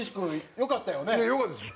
良かったです。